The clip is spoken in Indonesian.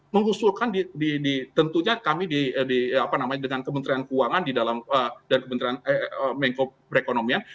mengusulkan tentunya kami dengan kementerian keuangan dan kementerian mengko perekonomian